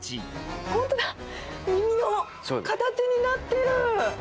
本当だ、耳の形になってる！